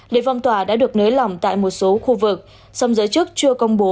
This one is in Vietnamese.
đề phong tỏa đã được nới lỏng tại một số khu vực song giới chức chưa công bố